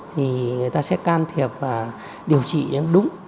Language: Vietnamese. thì người ta sẽ can thiệp và điều trị đúng